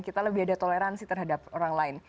kita lebih ada toleransi terhadap orang lain